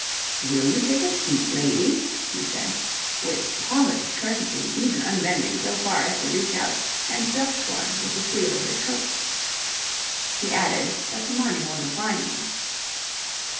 "Will you take a seat, lady?" he said, with polished courtesy even unbending so far as to reach out and dust one with the sleeve of his coat. He added that the morning was a fine one.